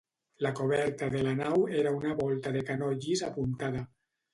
La coberta de la nau era una volta de canó llis apuntada.